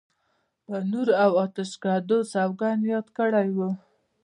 په نور او آتشکدو سوګند یاد کړی و.